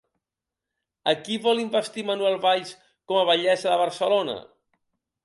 A qui vol investir Manuel Valls com a batllessa de Barcelona?